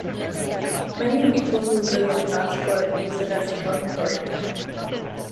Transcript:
Many people who live in Gosport use it as a dormitory town.